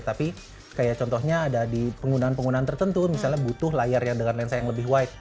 tapi kayak contohnya ada di penggunaan penggunaan tertentu misalnya butuh layar yang dengan lensa yang lebih white